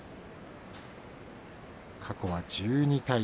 過去は１２対５。